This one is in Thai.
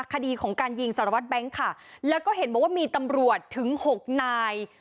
คดีของการยิงสารวัตรแบงค์ค่ะแล้วก็เห็นบอกว่ามีตำรวจถึงหกนาย